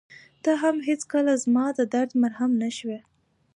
ته هم هېڅکله زما د درد مرهم نه شوې.